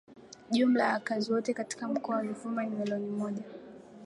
Jumla ya wakazi wote katika Mkoa wa Ruvuma ni milioni moja